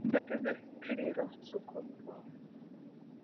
مړه ته د ستړي روح سکون غواړو